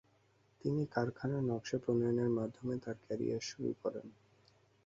তিনি কারাখানার নকশা প্রণয়নের মাধ্যমে তার ক্যারিয়ার শুরু করেন।